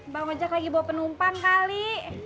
bang ojek lagi bawa penumpang kali